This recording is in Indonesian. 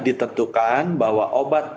ditentukan bahwa obat